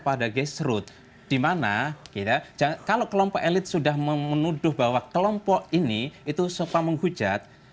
pada gesrut dimana kalau kelompok elit sudah menuduh bahwa kelompok ini itu sopa menghujat